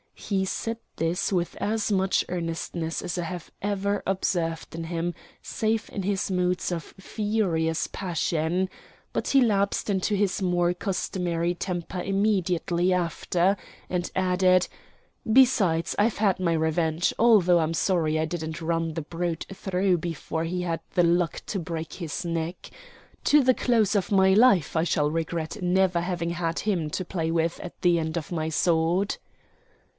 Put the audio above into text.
He said this with as much earnestness as I had ever observed in him save in his moods of furious passion. But he lapsed into his more customary temper immediately after, and added: "Besides, I've had my revenge, although I'm sorry I didn't run the brute through before he had the luck to break his neck. To the close of my life I shall regret never having had him to play with at the end of my sword."